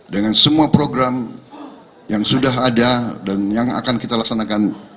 dengan semua program yang sudah ada dan yang akan kita laksanakan